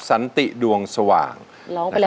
โปรดติดตามต่อไป